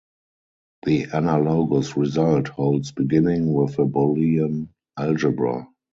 The analogous result holds beginning with a Boolean algebra.